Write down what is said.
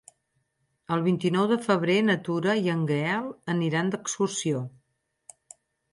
El vint-i-nou de febrer na Tura i en Gaël aniran d'excursió.